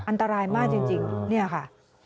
อันตรายมากจริงเนี่ยค่ะ